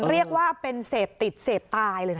เรียกว่าเสบติดเสบตายเลยเนี่ย